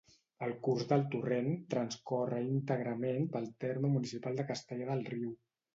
El curs del torrent transcorre íntegrament pel terme municipal de Castellar del Riu.